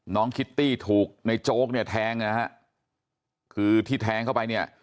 คิตตี้ถูกในโจ๊กเนี่ยแทงนะฮะคือที่แทงเข้าไปเนี่ย